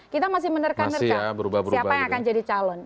kita masih menerka nerka siapa yang akan jadi calon